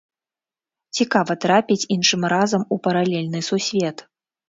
Цікава трапіць іншым разам у паралельны сусвет.